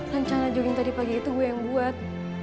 rencana jogging tadi pagi itu gue yang buat